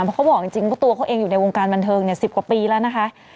เพราะเขาบอกจริงว่าตัวเขาเองอยู่ในวงการบันเทิง๑๐กว่าปีแล้วนะคะ